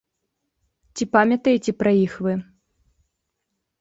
Ці памятаеце пра іх вы?